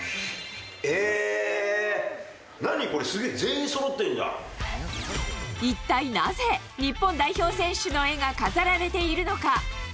えー、何これ、すげー、全員そろ一体なぜ、日本代表選手の絵が飾られているのか。